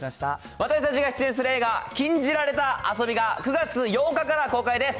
私たちが出演する映画、禁じられた遊びが、９月８日から公開です。